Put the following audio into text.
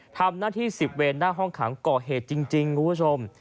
ทำหน้าที่๑๐เวนหน้าห้องขังก่อเหตุจริงคุณผู้ชม